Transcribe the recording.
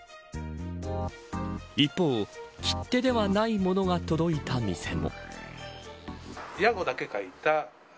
一方、切手ではないものが届いた店も。